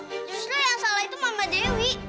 justru yang salah itu mama dewi